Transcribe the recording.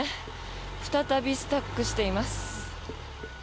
再びスタックしています。